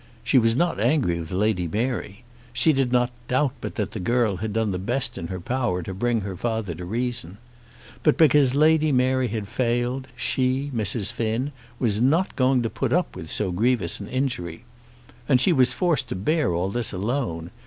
She was not angry with Lady Mary. She did not doubt but that the girl had done the best in her power to bring her father to reason. But because Lady Mary had failed, she, Mrs. Finn, was not going to put up with so grievous an injury. And she was forced to bear all this alone!